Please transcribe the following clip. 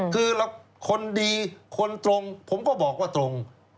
คือคนดีคนตรงผมก็บอกว่าตรง